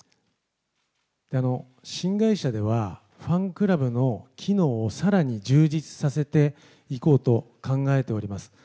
新会社では、ファンクラブの機能をさらに充実させていこうと考えております。